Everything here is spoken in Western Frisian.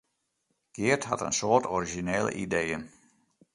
Geart hat in soad orizjinele ideeën.